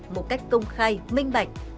một cách công khai minh bạch